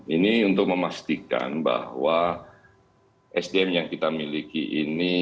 ini untuk memastikan bahwa sdm yang kita miliki ini